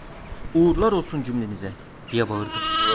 "Uğurlar olsun cümlenize!" diye bağırdı.